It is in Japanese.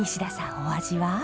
お味は？